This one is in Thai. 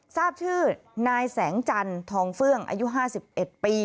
ทราบชื่อนายแสงจันทองเฟื่องอายุ๕๑ปี